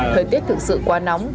thời tiết thực sự quá nóng